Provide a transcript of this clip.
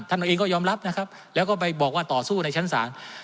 เราเองก็ยอมรับนะครับแล้วก็ไปบอกว่าต่อสู้ในชั้นศาล